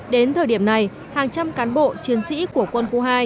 đến thời điểm này hàng trăm cán bộ chiến sĩ của quân khu hai